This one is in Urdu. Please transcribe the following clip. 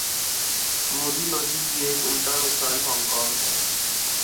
عمودی توسیع کی ایک عمدہ مثال ہانگ کانگ ہے۔